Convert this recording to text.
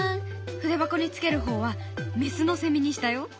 筆箱につける方はメスのセミにしたよ。